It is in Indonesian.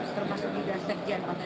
termasuk juga sejajar pada